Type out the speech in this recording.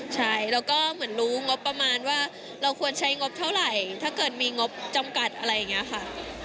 ใช่แล้วก็เหมือนรู้งบประมาณว่าเราควรใช้งบเท่าไหร่ถ้าเกิดมีงบจำกัดอะไรอย่างนี้ค่ะ